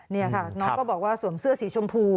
นี่ค่ะน้องก็บอกว่าสวมเสื้อสีชมพู